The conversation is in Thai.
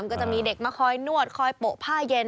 ก็จะมีเด็กมาคอยนวดคอยโปะผ้าเย็น